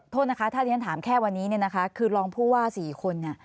โทษนะคะถ้าที่ฉันถามแค่วันนี้คือรองผู้ว่า๔คน